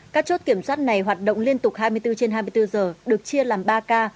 các chốt kiểm soát này hoạt động liên tục hai mươi bốn trên hai mươi bốn giờ được chia làm ba k